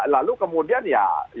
lalu kemudian ya